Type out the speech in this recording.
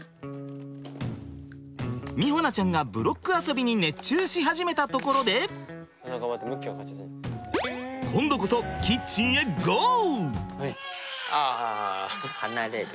美穂菜ちゃんがブロック遊びに熱中し始めたところで今度こそキッチンへＧＯ！